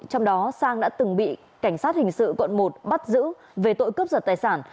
trong đó sang đã từng bị cảnh sát hình sự quận một bắt giữ về tội cướp giật tài sản